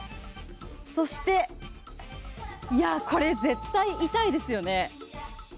そして、これ絶対痛いですよね。